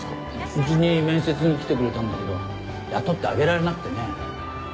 うちに面接に来てくれたんだけど雇ってあげられなくてね。